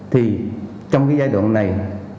thì trong cái giai đoạn này